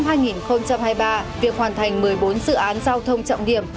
năm hai nghìn hai mươi ba việc hoàn thành một mươi bốn dự án giao thông trọng điểm